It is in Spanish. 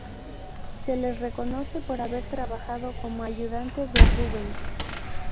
Se le reconoce por haber trabajado como ayudante de Rubens.